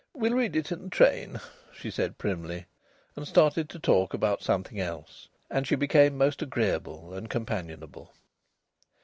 "We'll read it in the train," she said primly, and started to talk about something else. And she became most agreeable and companionable.